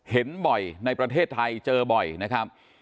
เห็นบ่อยในประเทศไทยเจอบ่อยนะครับ